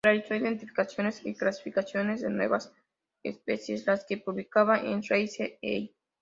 Realizó identificaciones y clasificaciones de nuevas especies, las que publicaba en "Reise, ii.